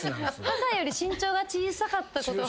母より身長が小さかったこと